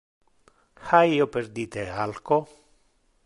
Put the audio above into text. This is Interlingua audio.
Ha io perdite alco?